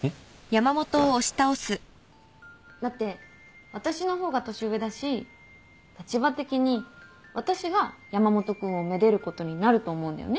だって私の方が年上だし立場的に私が山本君をめでることになると思うんだよね。